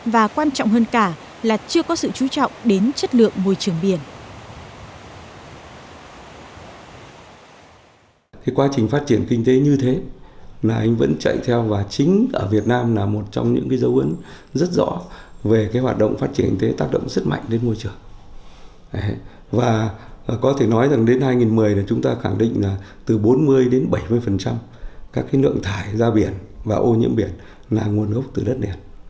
và quan trọng hơn cả là chưa có sự chú trọng đến chất lượng môi trường biển